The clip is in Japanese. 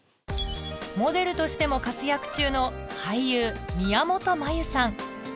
モデルとしても活躍中の俳優宮本茉由さん